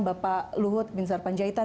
bapak luhut bin sarpanjaitan